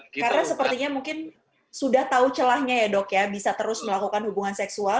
karena sepertinya mungkin sudah tahu celahnya ya dok ya bisa terus melakukan hubungan seksual